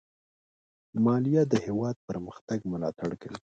مالیه د هېواد پرمختګ ملاتړ کوي.